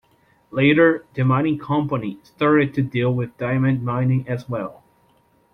Later, the mining company started to deal with diamond mining as well.